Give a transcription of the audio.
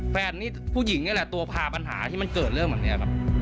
แฟนนี่ผู้หญิงนี่แหละตัวพาปัญหาที่มันเกิดเรื่องแบบนี้ครับ